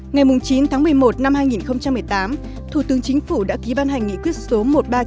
ngày chín tháng một mươi một năm hai nghìn một mươi tám thủ tướng chính phủ đã ký ban hành nghị quyết số một trăm ba mươi chín